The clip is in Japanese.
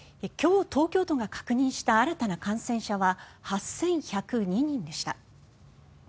今日、東京都が確認した新たな感染者は８１０２人でした。